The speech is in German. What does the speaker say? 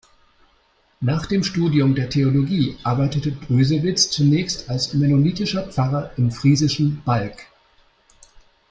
Nach dem Studium der Theologie arbeitete Brüsewitz zunächst als mennonitischer Pfarrer im friesischen Balk.